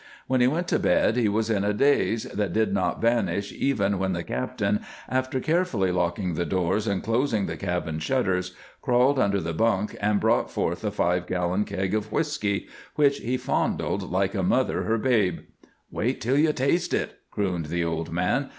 When he went to bed he was in a daze that did not vanish even when the captain, after carefully locking the doors and closing the cabin shutters, crawled under the bunk and brought forth a five gallon keg of whisky, which he fondled like a mother her babe. "Wait till you taste it," crooned the old man.